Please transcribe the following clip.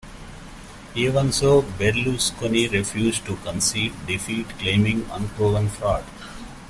Even so, Berlusconi refused to concede defeat, claiming unproven fraud.